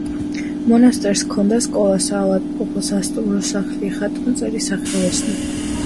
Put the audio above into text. მონასტერს ჰქონდა სკოლა, საავადმყოფო, სასტუმრო სახლი, ხატმწერი სახელოსნო.